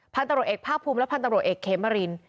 พันธุ์ตำรวจเอกภาคภูมิและพันธุ์ตำรวจเอกเขมริน